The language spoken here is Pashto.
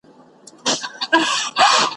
دا تر ټولو مهم کس دی ستا د ژوند په آشیانه کي `